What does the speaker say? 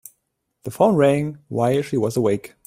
The phone rang while she was awake.